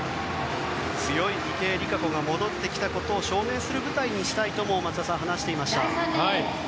強い池江璃花子が戻ってきたことを証明する舞台にしたいとも松田さん、話していました。